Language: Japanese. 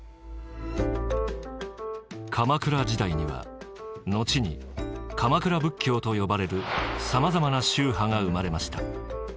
鎌倉時代には後に鎌倉仏教と呼ばれるさまざまな宗派が生まれました。